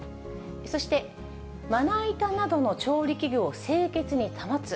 そしてまな板などの調理器具を清潔に保つ。